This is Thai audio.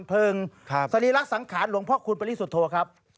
เพิ่งสนีรักษ์สังขารหลวงพ่อคุณปริสุทธว์ครับ